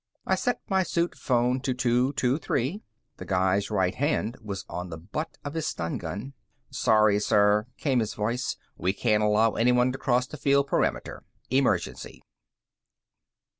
I set my suit phone for 223; the guy's right hand was on the butt of his stun gun. "Sorry, sir," came his voice. "We can't allow anyone to cross the field perimeter. Emergency."